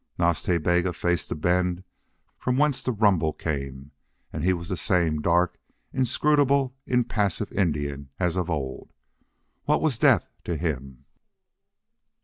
Nas Ta Bega faced the bend from whence that rumble came, and he was the same dark, inscrutable, impassive Indian as of old. What was death to him?